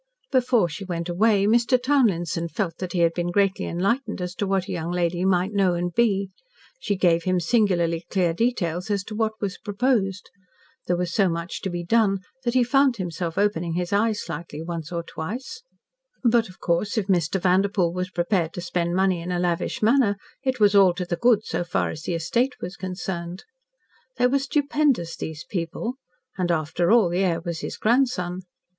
Before she went away Mr. Townlinson felt that he had been greatly enlightened as to what a young lady might know and be. She gave him singularly clear details as to what was proposed. There was so much to be done that he found himself opening his eyes slightly once or twice. But, of course, if Mr. Vanderpoel was prepared to spend money in a lavish manner, it was all to the good so far as the estate was concerned. They were stupendous, these people, and after all the heir was his grandson.